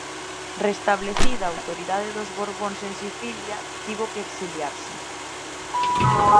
Restablecida a autoridade dos Borbóns en Sicilia, tivo que exiliarse.